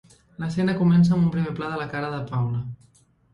L'escena comença amb un primer pla de la cara de Paula.